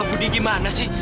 pak budi gimana sih